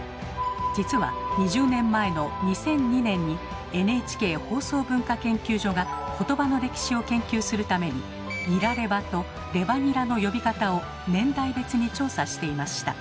実は２０年前の２００２年にＮＨＫ放送文化研究所が言葉の歴史を研究するために「ニラレバ」と「レバニラ」の呼び方を年代別に調査していました。